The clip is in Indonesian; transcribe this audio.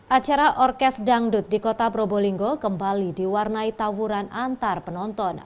acara orkes dangdut di kota probolinggo kembali diwarnai tawuran antar penonton